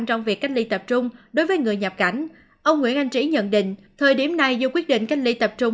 ông nguyễn anh trí nhận định thời điểm này dù quyết định cách ly tập trung